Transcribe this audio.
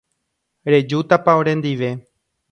Rejútapa orendive.